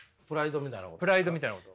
プライドみたいなこと。